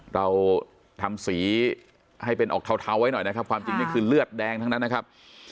เราทำสีให้เป็นออกเทาไว้หน่อยนะครับความจริงนี่คือเลือดแดงทั้งนั้นนะครับ